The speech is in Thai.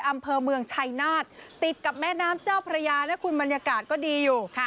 อำเภอเมืองชัยนาฏติดกับแม่น้ำเจ้าพระยาและคุณบรรยากาศก็ดีอยู่